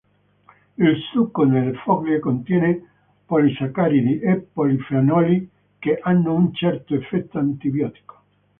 Il succo delle foglie contiene polisaccaridi e polifenoli che hanno un certo effetto antibiotico.